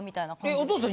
お義父さん